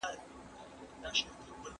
خوار پر لاهور هم خوار وي.